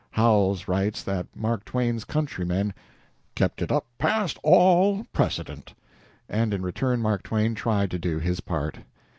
Howells writes that Mark Twain's countrymen "kept it up past all precedent," and in return Mark Twain tried to do his part.